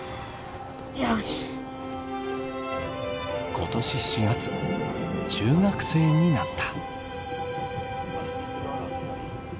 今年４月中学生になった。